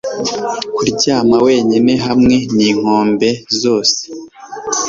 kuryama wenyine hamwe ninkombe zose